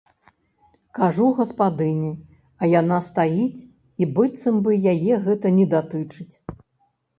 Кажу гаспадыні, а яна стаіць, і быццам бы яе гэта не датычыць.